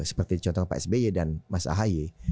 seperti contoh pak sby dan mas ahaye